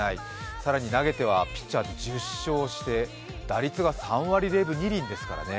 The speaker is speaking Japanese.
更に投げてはピッチャーとして１０勝して、打率が３割０分２厘ですからね。